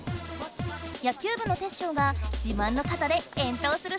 野球部のテッショウがじまんのかたで遠投する作戦！